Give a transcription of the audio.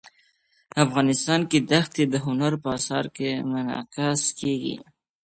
افغانستان کې دښتې د هنر په اثار کې منعکس کېږي.